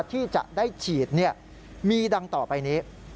ที่จะได้ฉีดมีดังต่อไปนี้